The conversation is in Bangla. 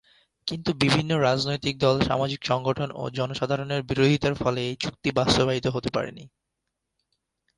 কিন্তু বিভিন্ন রাজনৈতিক দল, সামাজিক সংগঠন ও জনসাধারণের বিরোধিতার ফলে এই চুক্তি বাস্তবায়িত হতে পারেনি।